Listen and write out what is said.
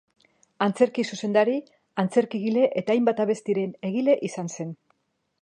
Antzerki zuzendari, antzerkigile eta hainbat abestiren egile izan zen.